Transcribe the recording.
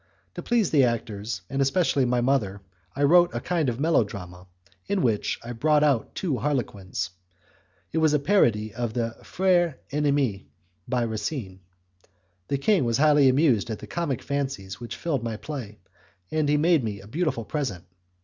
To please the actors, and especially my mother, I wrote a kind of melodrama, in which I brought out two harlequins. It was a parody of the 'Freres Ennemis', by Racine. The king was highly amused at the comic fancies which filled my play, and he made me a beautiful present.